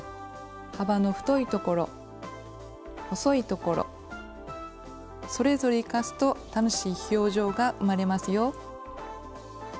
幅の太いところ細いところそれぞれ生かすと楽しい表情が生まれますよ。